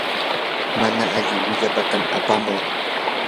mana alli willapatam apamuu.